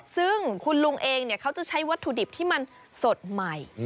ซึ่งคุณลุงเองเขาจะใช้วัตถุดิบที่มันสดใหม่